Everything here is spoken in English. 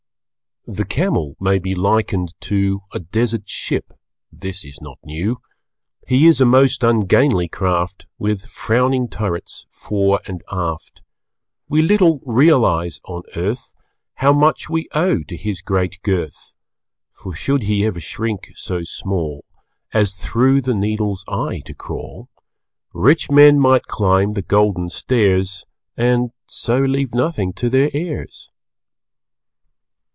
"The Camel may be likened to A desert ship. (This is not new.) He is a most ungainly craft, With frowning turrets fore and aft We little realize on earth, How much we owe to his great girth, For should he ever shrink so small As through the needle's eye to crawl, Rich men might climb the golden stairs And so leave nothing to their heirs."